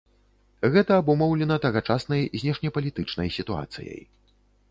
Гэта абумоўлена тагачаснай знешнепалітычнай сітуацыяй.